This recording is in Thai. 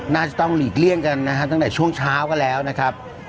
น่าจะต้องหลีกเลี่ยงกันนะครับตั้งแต่ช่วงเช้าก็แล้วนะครับ